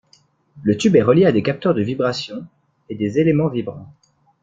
Le tube est relié à des capteurs de vibrations et des éléments vibrants.